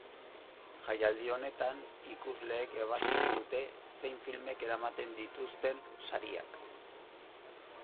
Jaialdi honetan, ikusleek ebazten dute zein filmek eramaten dituzten sariak.